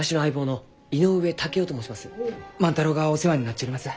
万太郎がお世話になっちょります。